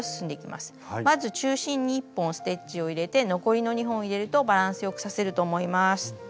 まず中心に１本ステッチを入れて残りの２本を入れるとバランスよく刺せると思います。